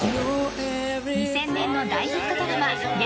２０００年の大ヒットドラマ月